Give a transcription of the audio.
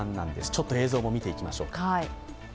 ちょっと映像も見ていきましょうか。